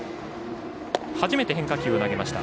初めて変化球を投げました。